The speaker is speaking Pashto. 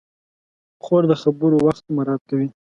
خور د خبرو وخت مراعت کوي.